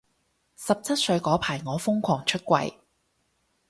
十七歲嗰排我瘋狂出櫃